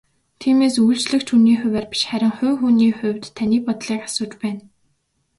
Тиймээс үйлчлэгч хүний хувиар биш харин хувь хүний хувьд таны бодлыг асууж байна.